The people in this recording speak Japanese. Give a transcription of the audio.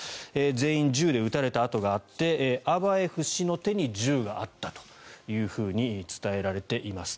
全員銃で撃たれた痕があってアバエフ氏の手に銃があったというふうに伝えられています。